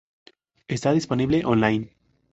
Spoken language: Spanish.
Está disponible online.